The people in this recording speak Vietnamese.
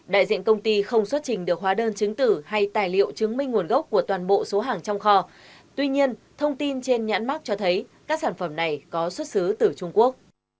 đại diện công ty không xuất trình được hóa đơn chứng tử hay tài liệu chứng minh nguồn gốc của toàn bộ số hàng trong kho tuy nhiên thông tin trên nhãn mắc cho thấy các sản phẩm này có xuất xứ từ trung quốc